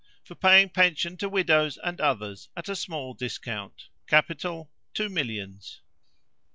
For paying pensions to widows and others, at a small discount. Capital, two millions.